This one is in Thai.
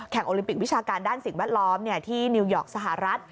โอลิมปิกวิชาการด้านสิ่งแวดล้อมที่นิวยอร์กสหรัฐ